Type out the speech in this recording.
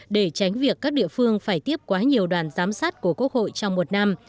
để tránh việc các địa phương phải tiếp quá nhiều đoàn giám sát của quốc hội trong một năm